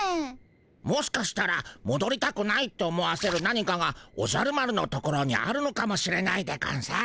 もしかしたらもどりたくないって思わせる何かがおじゃる丸のところにあるのかもしれないでゴンス。